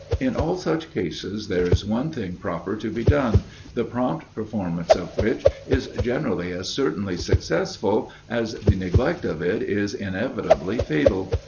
In all such cases, there is one thing proper to be done, the prompt performance of which is generally as certainly successful, as the neglect of it is inevitably fatal.